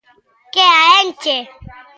Que a enche.